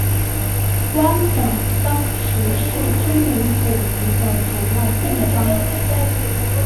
湾仔当时是居民捕鱼的主要地方。